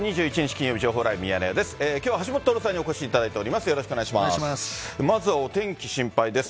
金曜日、情報ライブミヤネ屋です。